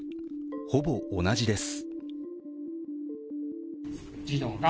ほぼ同じです。